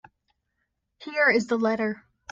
Here is the letter.